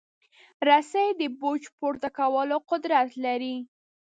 رسۍ د بوج پورته کولو قدرت لري.